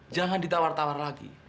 jangan ditawar tawar lagi